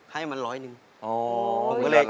ให้มันร้อยหนึ่ง